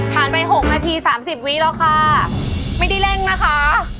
ไป๖นาที๓๐วิแล้วค่ะไม่ได้เร่งนะคะ